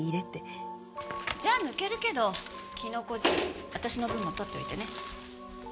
じゃあ抜けるけどキノコ汁私の分も取っておいてね。